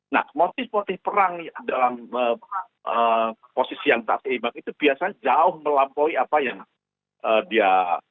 nah motif motif perang dalam posisi yang tak seimbang itu biasanya jauh melampaui apa yang dia